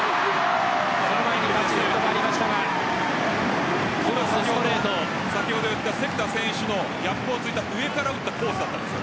その前にタッチネットがありましたが関田選手のギャップをついた上から打ったコースだったんです。